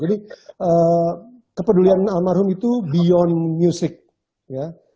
jadi kepedulian almarhum itu beyond music ya